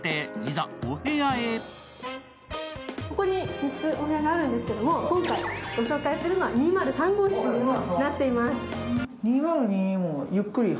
ここに３つお部屋があるんですけど今回、ご紹介するのは２０３号室になっています。